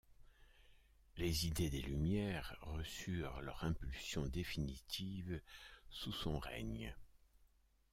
Les idées des Lumières reçurent leur impulsion définitive sous son règne.